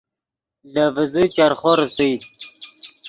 لے ڤیزے چرخو ریسئے